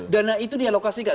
dana itu dialokasikan